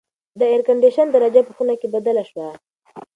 د اېرکنډیشن درجه په خونه کې بدله شوه.